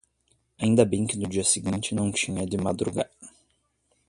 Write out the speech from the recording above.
Ainda bem que no dia seguinte não tinha de madrugar!